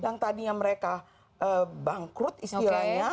yang tadinya mereka bangkrut istilahnya